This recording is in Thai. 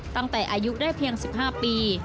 ตั้งแต่อายุได้เพียง๑๕ปี